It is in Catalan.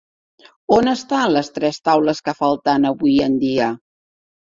On estan les tres taules que falten avui en dia?